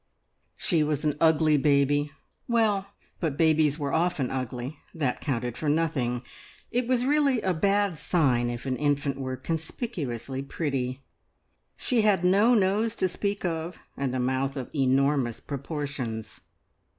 She was an ugly baby. Well, but babies often were ugly. That counted for nothing. It was really a bad sign if an infant were conspicuously pretty. She had no nose to speak of, and a mouth of enormous proportions.